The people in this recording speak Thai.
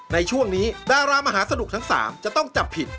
ในช่วงนี้ดารามหาสนุกทั้ง๓จะต้องจับผิด